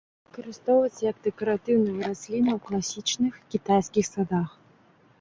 Выкарыстоўваецца як дэкаратыўная расліна ў класічных кітайскіх садах.